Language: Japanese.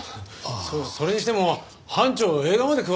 そそれにしても班長映画まで詳しいんですね。